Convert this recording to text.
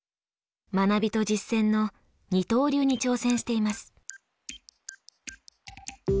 学びと実践の二刀流に挑戦しています。